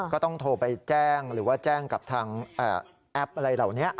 ก็ต้องโทรไปแจ้งหรือว่าแจ้งกับทางแอปอะไรเหล่านี้